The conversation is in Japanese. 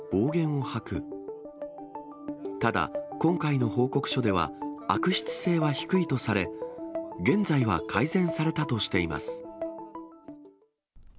ただ、今回の報告書では、悪質性は低いとされ、現在は改善されたとしています。